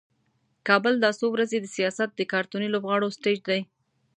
کابل دا څو ورځې د سیاست د کارتوني لوبغاړو سټیج دی.